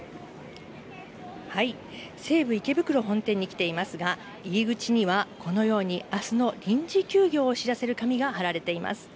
西武池袋本店に来ていますが、入り口にはこのように、あすの臨時休業を知らせる紙が貼られています。